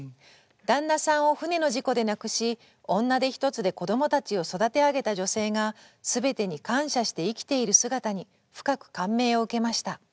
「旦那さんを船の事故で亡くし女手一つで子どもたちを育て上げた女性が全てに感謝して生きている姿に深く感銘を受けました。